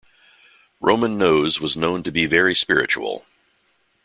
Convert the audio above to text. Roman Nose was known to be very spiritual.